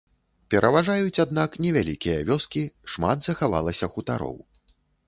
Пераважаюць, аднак, невялікія вёскі, шмат захавалася хутароў.